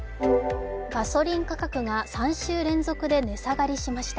ガソリン価格が３週連続で値下がりしました。